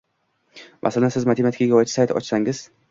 Masalan, Siz matematikaga oid sayt ochgansiz